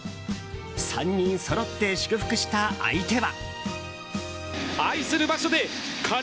３人そろって祝福した相手は。